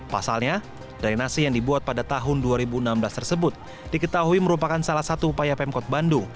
pasalnya drainasi yang dibuat pada tahun dua ribu enam belas tersebut diketahui merupakan salah satu upaya pemkot bandung